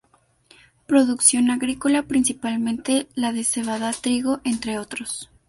Producción agrícola principalmente la de cebada, trigo, entre otros.